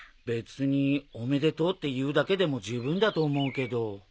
別におめでとうって言うだけでもじゅうぶんだと思うけど。